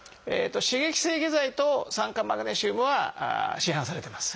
刺激性下剤と酸化マグネシウムは市販されてます。